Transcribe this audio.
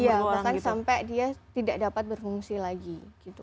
iya bahkan sampai dia tidak dapat berfungsi lagi gitu